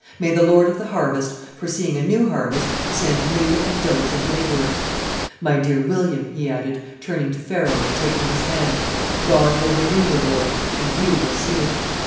May the Lord of the harvest, foreseeing a new harvest, send new and diligent laborers! ... My dear William," he added, turning to Farel and taking his hand, "God will renew the world, and you will see it!"